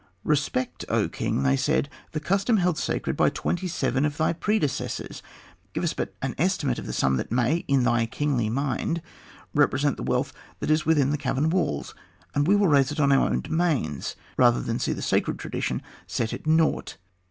"Respect, O king," they said, "the custom held sacred by twenty seven of thy predecessors. Give us but an estimate of the sum that may, in thy kingly mind, represent the wealth that is within the cavern walls, and we will raise it on our own domains, rather than see the sacred tradition set at nought."